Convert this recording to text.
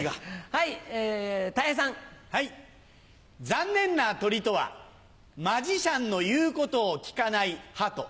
残念な鳥とはマジシャンの言うことを聞かないハト。